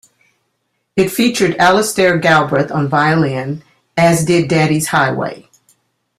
It featured Alastair Galbraith on violin, as did "Daddy's Highway".